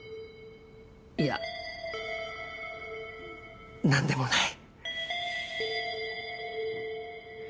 いやなんでもない。